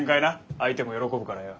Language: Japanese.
相手も喜ぶからよ。